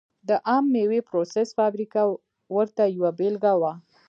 د عم مېوې پروسس فابریکه ورته یوه بېلګه وه.